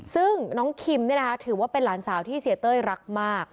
ซึ่งน้องคิมถือว่าเป็นหลานสาวที่เสียเต้ยรักมาก